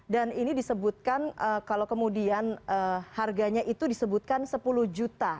dan ini disebutkan kalau kemudian harganya itu disebutkan sepuluh juta